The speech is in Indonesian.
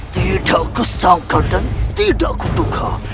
tidak kusangka dan tidak kutuka